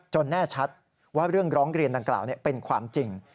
แน่ชัดว่าเรื่องร้องเรียนดังกล่าวเป็นความจริง